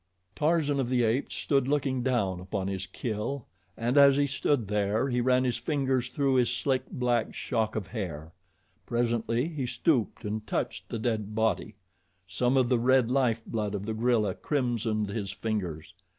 Tarzan of the Apes stood looking down upon his kill, and as he stood there he ran his fingers through his thick, black shock of hair. Presently he stooped and touched the dead body. Some of the red life blood of the gorilla crimsoned his fingers.